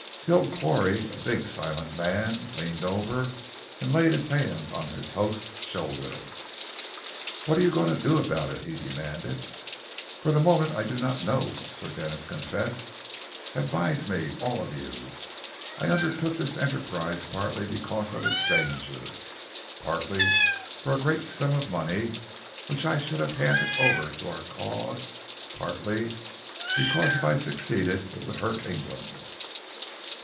The O'Clory, a big, silent man, leaned over and laid his hand on his host's shoulder. "What are you going to do about it?" he demanded. "For the moment I do not know," Sir Denis confessed. "Advise me, all of you. I undertook this enterprise partly because of its danger, partly for a great sum of money which I should have handed over to our cause, partly because if I succeeded it would hurt England.